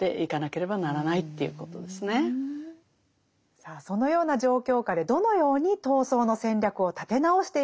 さあそのような状況下でどのように闘争の戦略を立て直していくべきなのでしょうか。